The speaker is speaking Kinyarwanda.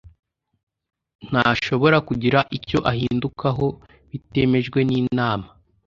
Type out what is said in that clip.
ntashobora kugira icyo ahindukaho bitemejwe n’inama